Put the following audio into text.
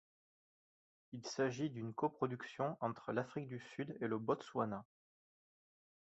Il s'agit d'une coproduction entre l'Afrique du Sud et le Botswana.